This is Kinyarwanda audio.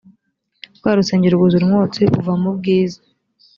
rwa rusengero rwuzura umwotsi uva mu bwiza